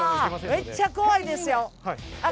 めっちゃ怖いですよ！